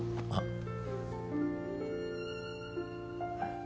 あっ。